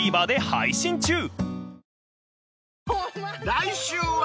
［来週は］